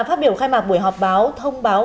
phát biểu khai mạc buổi họp báo thông báo